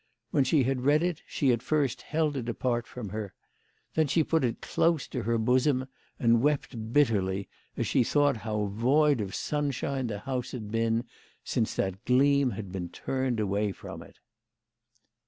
When she had read it she at first held it apart from her. Then she put it close to her bosom, and wept bitterly as she thought how void of sunshine the house had been since that gleam had been turned away from it.